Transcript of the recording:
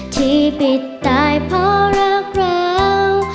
ที่ปิดตายเพราะรักเรา